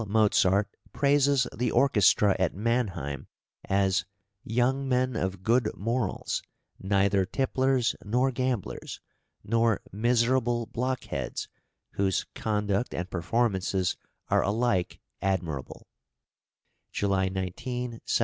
Mozart praises the orchestra at Mannheim as "young men of good morals, neither tipplers nor gamblers, nor miserable blockheads, whose conduct and performances are alike admirable" (July 19, 1763).